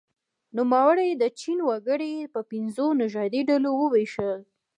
نوموړي د چین وګړي په پنځو نژادي ډلو وویشل.